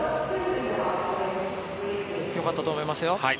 よかったと思いますよ。